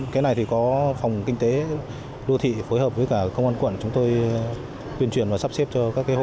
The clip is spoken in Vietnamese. cái này thì có phòng kinh tế đô thị phối hợp với cả công an quận chúng tôi tuyên truyền và sắp xếp cho các hộ